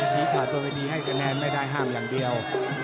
สีขาดตัวไปดีให้กระแนนไม่ได้ห้ามอย่างเดียว